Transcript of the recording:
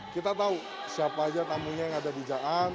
kita tahu siapa saja tamunya yang ada di jaan